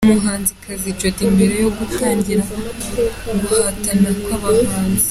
Umuhanzikazi Jody mbere yo gutangira guhatana kw’abahanzi.